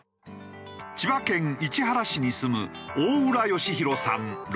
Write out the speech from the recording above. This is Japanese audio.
千葉県市原市に住む大浦善博さん６８歳。